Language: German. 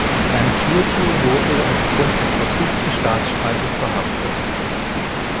Sanjurjo wurde aufgrund des versuchten Staatsstreiches verhaftet.